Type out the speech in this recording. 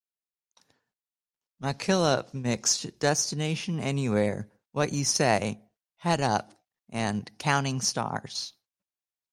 Mackillop mixed "Destination Anywhere", "What You Say", "Head Up" and "Counting Stars".